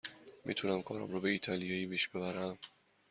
می تونم کارم را به ایتالیایی پیش ببرم.